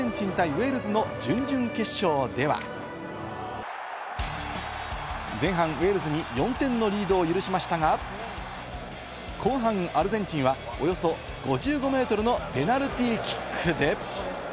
ウェールズの準々決勝では、前半、ウェールズに４点のリードを許しましたが、後半アルゼンチンはおよそ５５ｍのペナルティーキックで。